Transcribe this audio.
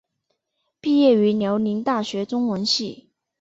毕业于辽宁大学中文系。